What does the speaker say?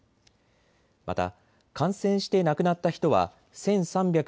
また感染して亡くなった人は１３４２人。